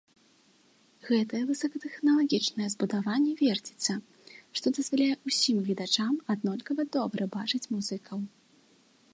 Гэтае высокатэхналагічнае збудаванне верціцца, што дазваляе ўсім гледачам аднолькава добра бачыць музыкаў.